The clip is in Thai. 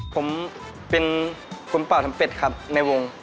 ผมเป็นคนเป่าทำเป็ดครับในวง